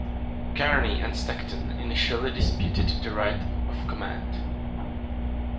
Kearny and Stockton initially disputed the right of command.